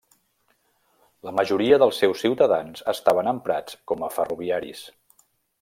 La majoria dels seus ciutadans estaven emprats com a ferroviaris.